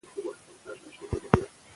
سمه روزنه بد اخلاقي کموي.